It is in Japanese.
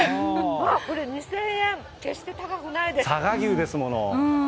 これ、２０００円、決して高くないです。